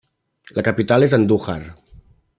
La capital es Andújar.